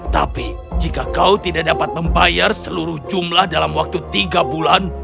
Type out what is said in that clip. tapi jika kau tidak dapat membayar seluruh jumlah dalam waktu tiga bulan